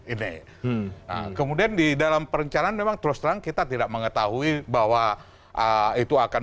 ini kemudian di dalam perencanaan memang terus terang kita tidak mengetahui bahwa itu akan